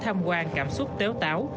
tham quan cảm xúc tếu táo